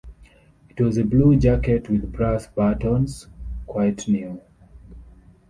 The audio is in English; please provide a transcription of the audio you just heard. It was a blue jacket with brass buttons, quite new.